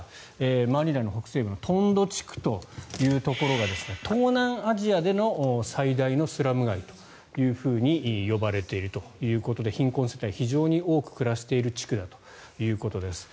マニラの北西部のトンド地区というところが東南アジアでの最大のスラム街というふうに呼ばれているということで貧困世帯が非常に多く暮らしている地区だということです。